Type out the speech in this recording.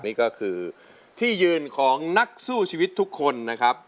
นี่ก็คือที่ยืนของนักสู้ชีวิตทุกคนนะครับ